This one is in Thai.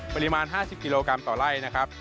ปริมาณ๕๐กิโลกรัมต่อไล่นะครับ